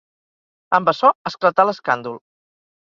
Amb açò, esclatà l'escàndol.